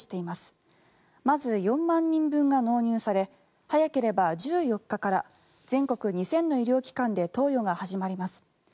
まず、４万人分が納入され早ければ１４日から全国２０００の医療機関で投与が始まります。